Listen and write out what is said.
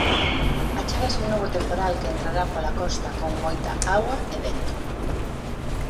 Achégase un novo temporal que entrará pola costa con moita auga e vento.